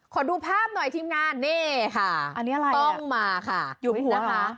ขอดูภาพหน่อยทีมงานนี่ค่ะอันนี้อะไรต้องมาค่ะหยุดนะคะ